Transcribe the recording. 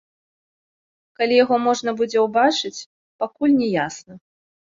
Калі яго можна будзе ўбачыць, пакуль не ясна.